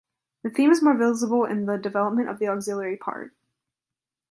This theme is more visible in the development of the auxiliary part.